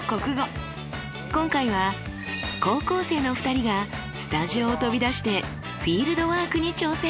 今回は高校生の２人がスタジオを飛び出してフィールドワークに挑戦。